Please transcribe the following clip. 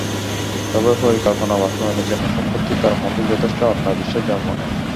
তবে পরিকল্পনা বাস্তবায়নের জন্য সম্প্রতি তাঁর মধ্যে যথেষ্ট আত্মবিশ্বাস জন্ম নেয়।